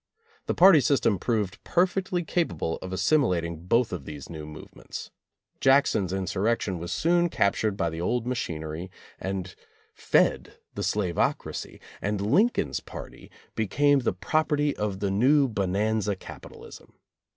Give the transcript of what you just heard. The party system proved perfectly capable of assimilat ing both of these new movements. Jackson's in surrection was soon captured by the old machinery and fed the slavocracy, and Lincoln's party be came the property of the new bonanza capitalism.